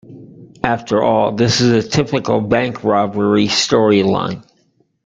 After all this is a typical bank robbery storyline.